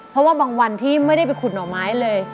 เพราะว่าบางวันที่ไม่ได้ไปขุดหน่อไม้เลย